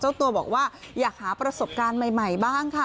เจ้าตัวบอกว่าอยากหาประสบการณ์ใหม่บ้างค่ะ